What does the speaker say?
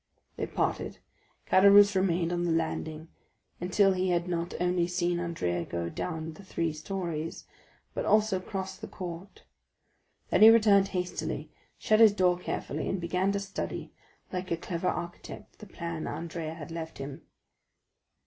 They parted. Caderousse remained on the landing until he had not only seen Andrea go down the three stories, but also cross the court. Then he returned hastily, shut his door carefully, and began to study, like a clever architect, the plan Andrea had left him.